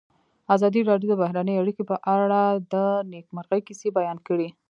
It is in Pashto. ازادي راډیو د بهرنۍ اړیکې په اړه د نېکمرغۍ کیسې بیان کړې.